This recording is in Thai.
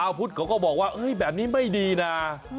พุทธเขาก็บอกว่าแบบนี้ไม่ดีนะ